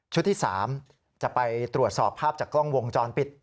ที่๓จะไปตรวจสอบภาพจากกล้องวงจรปิด